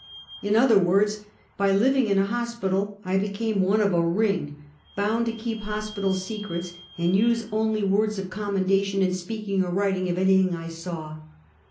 In other words, by living in a hospital I became one of a ring, bound to keep hospital secrets, and use only words of commendation in speaking or writing of anything I saw.